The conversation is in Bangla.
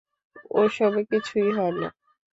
ওসবে কিছুই হয় না।